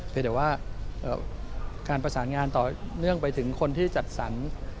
แต่ว่าการประสานงานต่อเนื่องไปถึงคนที่จัดสรร